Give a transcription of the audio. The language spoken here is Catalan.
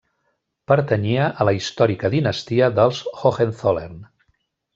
Pertanyia a la històrica Dinastia dels Hohenzollern.